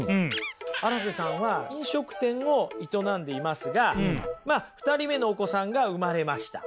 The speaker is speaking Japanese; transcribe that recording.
荒瀬さんは飲食店を営んでいますがまあ２人目のお子さんが産まれました。